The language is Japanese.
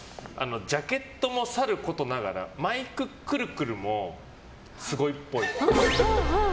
ジャケットもさることながらマイクくるくるもすごいっぽい。